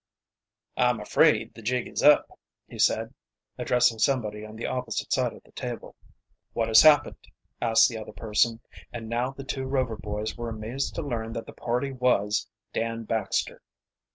"I'm afraid the jig is up," he said, addressing somebody on the opposite side of the table. "What has happened," asked the other person, and now the two Rover boys were amazed to learn that the party was Dan Baxter.